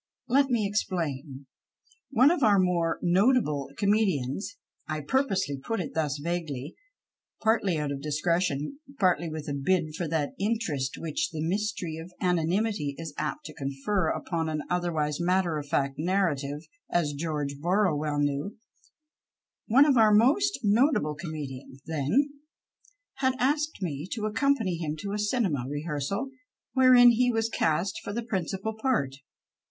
Let me explain. One of our more notable come dians (I purposely put it thus vaguely, partly out of discretion, partly with a bid for that interest which the mystery of anonymity is apt to confer upon an otherwise matter of fact narrative, as George Borrow well knew) — one of our most notable comedians, then, had asked me to accompany him to a '' cinema " rehearsal wherein he was cast for the principal part.